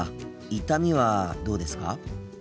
痛みはどうですか？